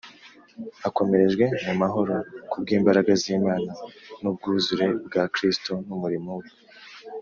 "akomerejwe mu mahoro" ku bw'imbaraga z'Imana n'ubwuzure bwa Kristo n’umurimo we.